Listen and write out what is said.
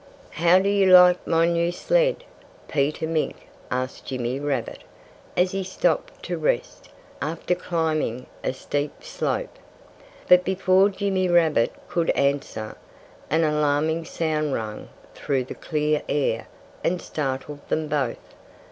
"How do you like my new sled?" Peter Mink asked Jimmy Rabbit, as he stopped to rest, after climbing a steep slope. But before Jimmy Rabbit could answer, an alarming sound rang through the clear air and startled them both.